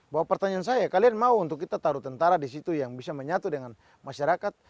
bahwa pertanyaan saya kalian mau untuk kita taruh tentara di situ yang bisa menyatu dengan masyarakat